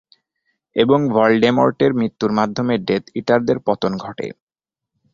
এবং ভলডেমর্টের মৃত্যুর মাধ্যমে ডেথ ইটারদের পতন ঘটে।